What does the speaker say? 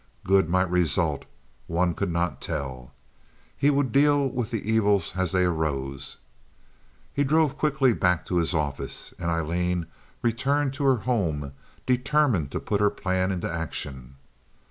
Good might result—one could not tell. He would deal with the evils as they arose. He drove quickly back to his office, and Aileen returned to her home determined to put her plan into action.